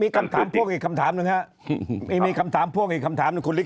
มีคำถามพวกอีกคำถามนะครับมีคำถามพวกอีกคำถามนะครับ